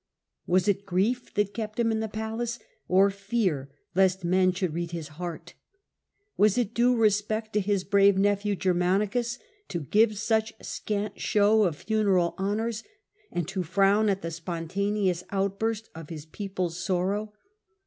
Was it grief that kept him popular in the palace, or fear lest men should read his suspicions, heart ? Was it due respect to his brave nephew to give such scant show of funeral honours, and to frown at the spontaneous outburst of his people's sorrow